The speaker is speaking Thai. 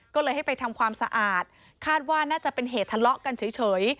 ก็เลยให้ไปทำความสะอาดคาดว่าน่าจะเป็นเหตุทะเลาะกันเฉย